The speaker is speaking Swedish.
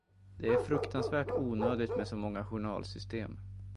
Det är fruktansvärt onödigt med så många journalsystem.